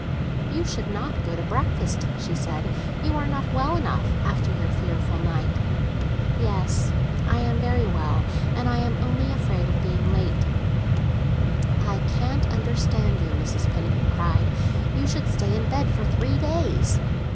"You should not go to breakfast," she said; "you are not well enough, after your fearful night." "Yes, I am very well, and I am only afraid of being late." "I can't understand you!" Mrs. Penniman cried. "You should stay in bed for three days."